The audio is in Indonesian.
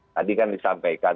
tadi kan disampaikan